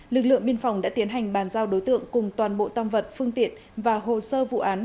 lực lượng biên phòng đã tiến hành bàn giao đối tượng cùng toàn bộ tâm vật phương tiện và hồ sơ vụ án